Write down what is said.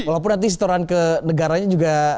walaupun nanti setoran ke negaranya juga